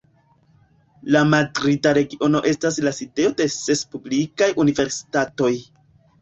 La Madrida Regiono estas la sidejo de ses publikaj universitatoj.